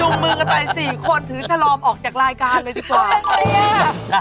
จูบมือกระต่าย๔คนถือชอบออกจากรายการเลยดีกว่า